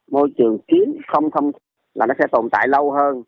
môi trường kiến không không là nó sẽ tồn tại lâu hơn